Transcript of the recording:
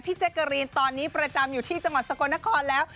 แจ๊กกะรีนตอนนี้ประจำอยู่ที่จังหวัดสกลนครแล้ว